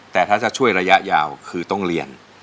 แต่ถ้าจะช่วยระยะยาวคือต้องเรียน